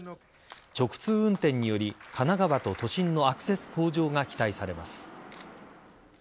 直通運転により神奈川と都心のアクセス向上が期待されます。